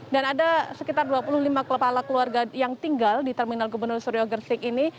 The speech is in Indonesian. dan ada sekitar dua puluh lima kepala keluarga yang tinggal di terminal gubernur suryo gersik ini